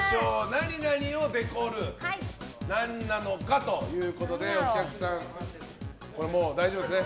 何々をデコる何なのかということでお客さん、大丈夫ですね。